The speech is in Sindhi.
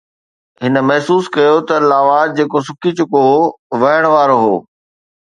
هن محسوس ڪيو ته لاوا، جيڪو سڪي چڪو هو، وهڻ وارو هو.